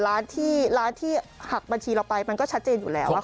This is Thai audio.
ร้านที่ร้านที่หักบัญชีเราไปมันก็ชัดเจนอยู่แล้ว